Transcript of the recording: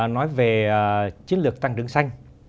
nói về chiến lược tăng rừng xanh